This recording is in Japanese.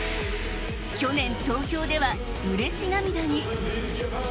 去年東京ではうれし涙に。